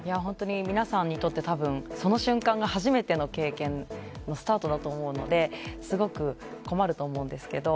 皆さんにとって多分その瞬間が初めての経験のスタートだと思うのですごく困ると思うんですけど。